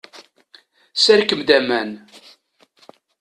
Serkem-d aman.